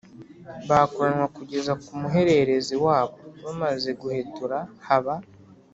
bakuranwa kugeza ku muhererezi wabo. Bamaze guhetura, haba